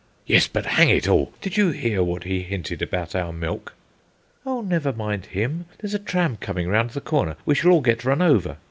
"Yes, but hang it all; did you hear what he hinted about our milk?" "Oh, never mind him! There's a tram coming round the corner: we shall all get run over."